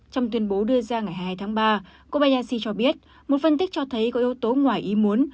trong tuyên bố đưa ra ngày hai tháng ba kobayashi cho biết một phân tích cho thấy có yếu tố ngoài ý muốn